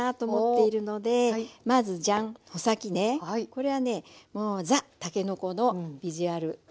これはねもうザ・たけのこのビジュアルね。